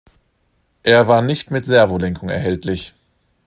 Er war nicht mit Servolenkung erhältlich.